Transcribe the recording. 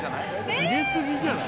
入れ過ぎじゃない？